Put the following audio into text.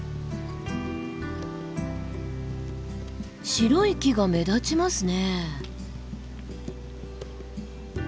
白い木が目立ちますねえ。